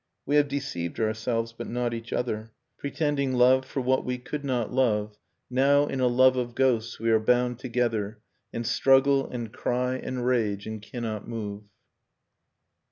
We have deceived ourselves, but not each other: Pretending love for what we could not love, Now in a love of ghosts we are bound together And struggle and cry and rage, and cannot move.